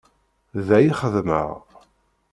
Da i xeddmeɣ.